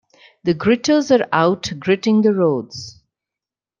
The gritters are out gritting the roads.